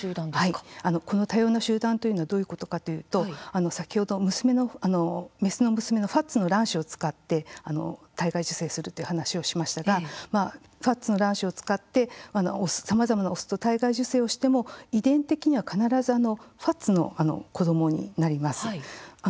この多様な集団というのはどういうことかというと先ほどのメスの娘のファツの卵子を使って体外受精するという話をしましたがファツの卵子を使ってさまざまなオスと体外受精をしても遺伝的には必ずファツの子どもになります。